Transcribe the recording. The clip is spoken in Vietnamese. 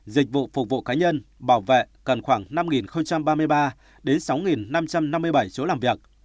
dịch vụ phục vụ cá nhân bảo vệ cần khoảng năm ba mươi ba đến sáu năm trăm năm mươi bảy chỗ làm việc